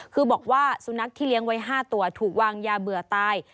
คือบอกว่าสุนัขที่เลี้ยงไว้๕ตัวถูกวางยาเบื่อตาย